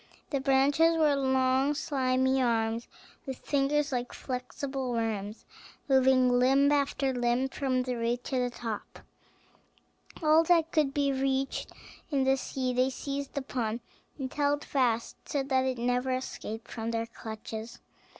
The branches were long slimy arms, with fingers like flexible worms, moving limb after limb from the root to the top. All that could be reached in the sea they seized upon, and held fast, so that it never escaped from their clutches.